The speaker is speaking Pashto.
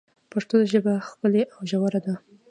پښتو ژبه ښکلي او ژوره ده.